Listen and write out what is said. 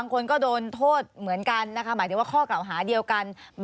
คนก็โดนโทษเหมือนกันนะคะหมายถึงว่าข้อกล่าวหาเดียวกัน